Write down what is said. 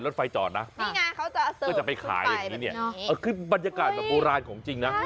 รถไฟจอดนะก็จะไปขายอันอย่างนี้เนี่ยเออคือบรรยากาศโอราณของจริงนะ